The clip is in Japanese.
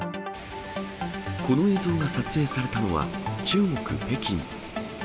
この映像が撮影されたのは、中国・北京。